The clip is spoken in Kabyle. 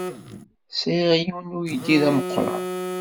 Sɛiɣ yiwen n uydi d ameqran.